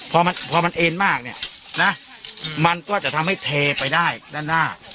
พอมันเอ็นมากเนี่ยนะมันก็จะทำให้เทไปได้ด้านหน้า